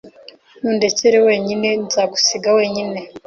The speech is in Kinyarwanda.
Nundekere wenyine nzagusiga wenyine